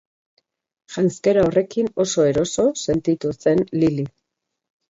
Janzkera horrekin oso eroso sentitu zen Lili.